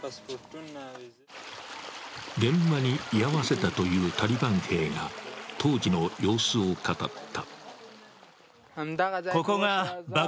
現場に居合わせたというタリバン兵が当時の様子を語った。